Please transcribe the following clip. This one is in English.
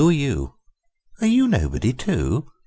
Are you nobody, too?